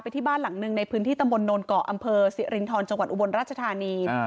ที่บ้านหลังหนึ่งในพื้นที่ตำบลโนนเกาะอำเภอสิรินทรจังหวัดอุบลราชธานี